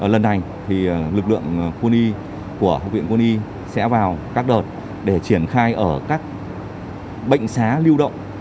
lần này thì lực lượng quân y của học viện quân y sẽ vào các đợt để triển khai ở các bệnh xá lưu động